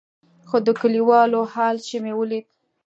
خو د کليوالو حال چې مې وليد.